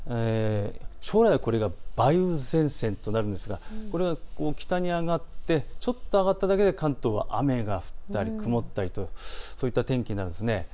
将来、これが梅雨前線となるんですがこれが北に上がって、ちょっと上がっただけで関東は雨が降ったり曇ったりとそういった天気になるんです。